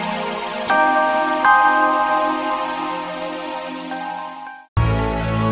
nggak tau tapi